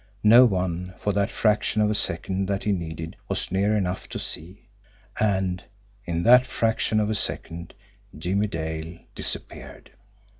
No one, for that fraction of a second that he needed, was near enough to see and in that fraction of a second Jimmie Dale disappeared.